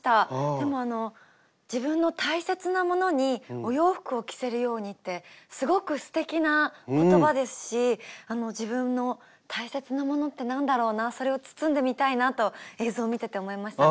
でもあの自分の大切なものにお洋服を着せるようにってすごくすてきな言葉ですし自分の大切なものって何だろうなそれを包んでみたいなと映像を見てて思いましたね。